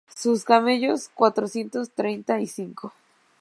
Sus camellos, cuatrocientos treinta y cinco;